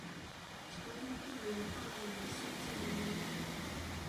差异并没有大到你想像的那样